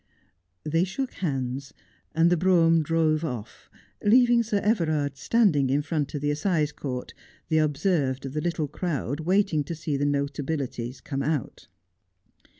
They shook hands, and the brougham drove off, leaving Sir Everard standing in front of the assize court, the observed of the little crowd waiting to see the notabilities come out.